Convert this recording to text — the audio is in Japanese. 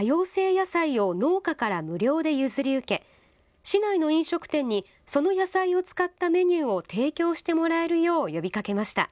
野菜を農家から無料で譲り受け、市内の飲食店にその野菜を使ったメニューを提供してもらえるよう呼びかけました。